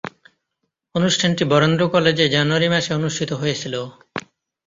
অনুষ্ঠানটি বরেন্দ্র কলেজে জানুয়ারি মাসে অনুষ্ঠিত হয়েছিলো।